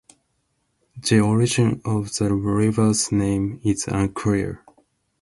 The origin of the river's name is unclear.